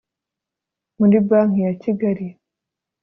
muri banki ya kigali